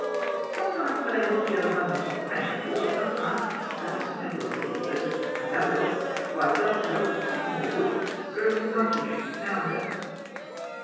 Sometimes they are held together by metal cramps, or sometimes as in the temple of Seti I., at Abydos by dovetails of sycamore wood bearing the cartouche of the founder.